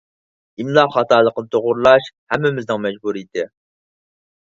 ئىملا خاتالىقىنى توغرىلاش ھەممىمىزنىڭ مەجبۇرىيىتى.